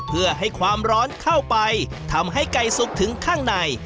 เพื่อให้ความร้อนเข้าไปทำให้ไก่สุกถึงข้างใน